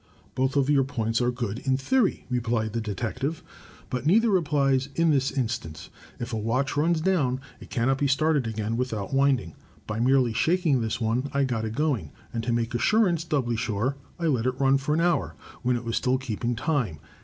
"Both of your points are good, in theory," replied the detective. "But neither applies in this instance. If a watch runs down, it cannot be started again without winding. By merely shaking this one I set it going, and to make assurance doubly sure, I let it run for an hour, when it was still keeping time.